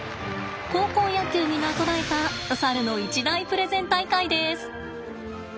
高校野球になぞらえた猿の一大プレゼン大会です。